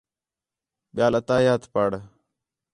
ٻِیال اِلتَّحِیَّات پڑھ